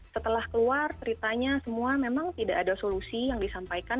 setelah keluar ceritanya semua memang tidak ada solusi yang disampaikan